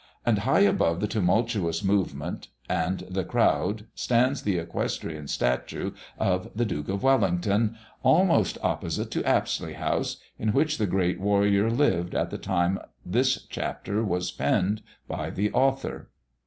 And high above the tumultuous movement and the crowd stands the equestrian statue of the Duke of Wellington, almost opposite to Apsley House, in which the great warrior lived at the time this chapter was penned by the author.